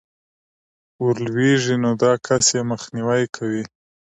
ورلوېږي، نو دا كس ئې مخنيوى كوي